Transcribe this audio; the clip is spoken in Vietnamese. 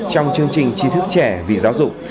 trong chương trình chi thức trẻ vì giáo dục